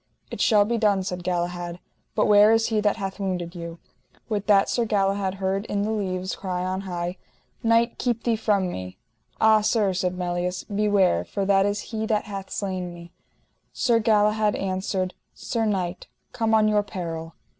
It shall be done, said Galahad, but where is he that hath wounded you? With that Sir Galahad heard in the leaves cry on high: Knight, keep thee from me. Ah sir, said Melias, beware, for that is he that hath slain me. Sir Galahad answered: Sir knight, come on your peril.